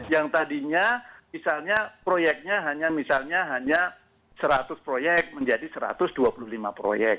yang tadinya misalnya proyeknya hanya misalnya hanya seratus proyek menjadi satu ratus dua puluh lima proyek